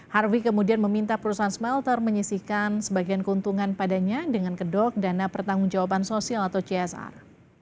harvi kemudian meminta perusahaan smelter menyisihkan sebagian keuntungan padanya dengan kedok dana pertanggung jawaban sosial atau csr